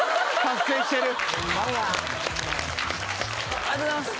ありがとうございます。